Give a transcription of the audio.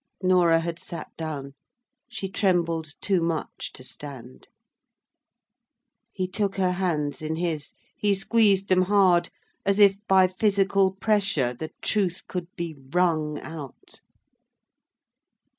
Norah had sate down. She trembled too much to stand. He took her hands in his. He squeezed them hard, as if by physical pressure, the truth could be wrung out.